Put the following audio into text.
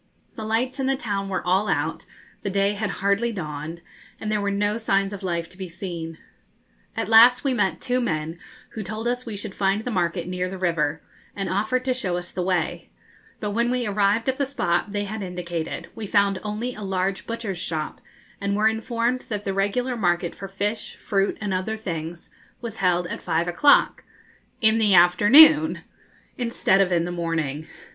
The lights in the town were all out, the day had hardly dawned, and there were no signs of life to be seen. At last we met two men, who told us we should find the market near the river, and offered to show us the way; but when we arrived at the spot they had indicated we found only a large butcher's shop, and were informed that the regular market for fish, fruit, and other things was held at five o'clock in the afternoon instead of in the morning.